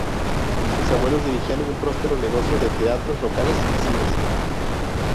Sus abuelos dirigían un próspero negocio de teatros locales y cines.